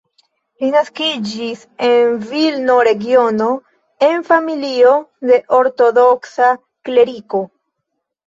Li naskiĝis en Vilno-regiono en familio de ortodoksa kleriko.